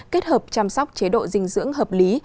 kết hợp chăm sóc chế độ dinh dưỡng hợp lý